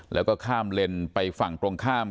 แล้วก็ข้ามเลนไปฝั่งตรงข้าม